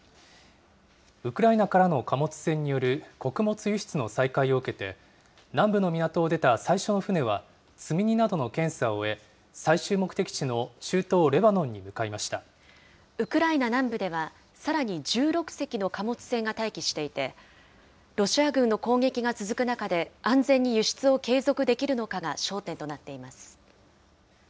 ウクライナからの貨物船による穀物輸出の再開を受けて、南部の港を出た最初の船は、積み荷などの検査を終え、最終目的地の中東レウクライナ南部では、さらに１６隻の貨物船が待機していて、ロシア軍の攻撃が続く中で、安全に輸出を継続できるのかが焦点となっています。